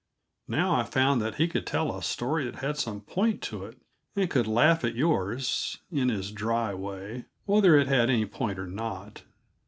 Now I found that he could tell a story that had some point to it, and could laugh at yours, in his dry way, whether it had any point or not.